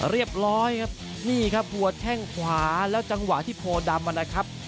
เรียบร้อยครับนี่ครับหัวแข้งขวาแล้วจังหวะที่โพดำนะครับ